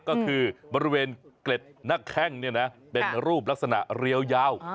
ก็คือบริเวณเกล็ดนักแค่งนี่นะเป็นรูปลักษณะเรียวยาว